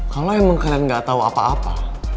kalau emang kalian gak tahu apa apa